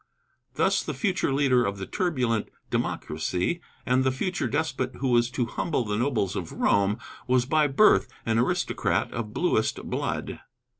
Thus the future leader of the turbulent democracy, and the future despot who was to humble the nobles of Rome, was by birth an aristocrat of bluest blood.